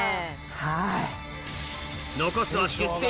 はい。